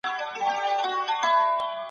ماشومان ژر زده کړه کوي.